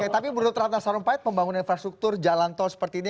oke tapi menurut ratna sarumpait pembangunan infrastruktur jalan tol seperti ini